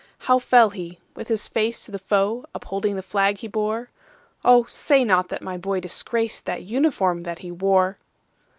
"How fell he,—with his face to the foe, Upholding the flag he bore? Oh, say not that my boy disgracedThe uniform that he wore!"